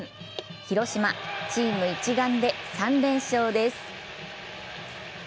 広島、チーム一丸で３連勝です。